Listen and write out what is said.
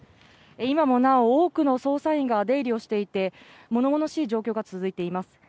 今もなお、多くの捜査員が出入りをしていて、ものものしい状況が続いています。